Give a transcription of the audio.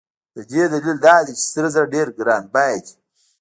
د دې دلیل دا دی چې سره زر ډېر ګران بیه دي.